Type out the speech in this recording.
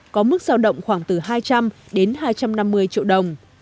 có mức giao động khoảng từ hai trăm linh đến hai trăm năm mươi triệu đồng